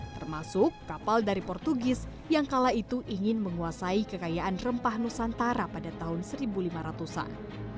termasuk kapal dari portugis yang kala itu ingin menguasai kekayaan rempah nusantara pada tahun seribu lima ratus an